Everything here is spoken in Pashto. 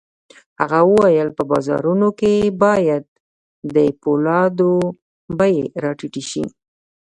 هغه وویل په بازارونو کې باید د پولادو بيې را ټیټې شي